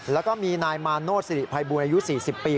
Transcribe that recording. แล้วก็มีนายมาโนธสิริภัยบูรณอายุ๔๐ปี